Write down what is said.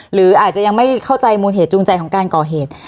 หรืออาจจะยังไม่เข้าใจมูลเหตุจูงใจของการก่อเหตุ